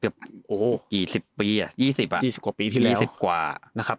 บีสิบปีอ่ะยี่สิบอ่ะยี่สิบกว่าปีที่แล้วนะครับ